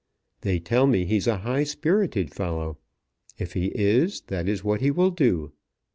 They tell me he's a high spirited fellow. If he is, that is what he will do.